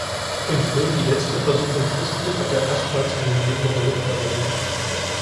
Im Film "Die letzte Versuchung Christi" hat er erstmals eine Nebenrolle übernommen.